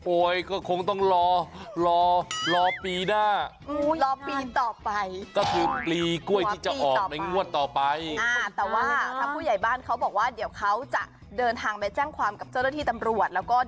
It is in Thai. โอ๊ยก็คงต้องรอปีหน้ารอปี่ต่อไปก็จะตายแบบปี่ก้วยเดี๋ยวเขาจะเดินทางแจ้งความกับเจ้าหน้าที่ตำรวจหรือก็